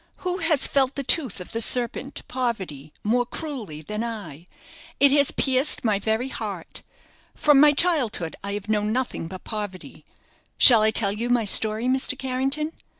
"Who has felt the tooth of the serpent, Poverty, more cruelly than I? It has pierced my very heart. From my childhood I have known nothing but poverty. Shall I tell you my story, Mr. Carrington?